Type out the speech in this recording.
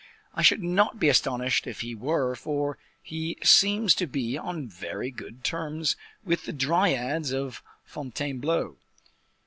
I should not be astonished if he were, for he seems to be on very good terms with the dryads of Fontainebleau."